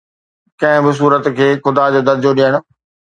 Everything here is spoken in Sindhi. ڪنهن به صورت کي خدا جو درجو ڏيڻ